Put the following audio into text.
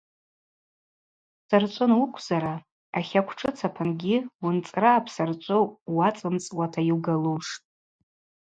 Псарчӏвы ануыквзара ахакв шӏыц апынгьи уынцӏра апсарчӏвы уыцӏымцӏуата йугалуштӏ.